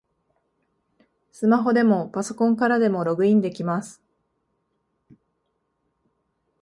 スマホでもパソコンからでもログインできます